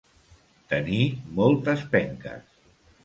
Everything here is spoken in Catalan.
Tenir moltes penques.